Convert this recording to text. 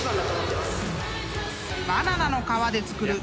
［バナナの皮で作る］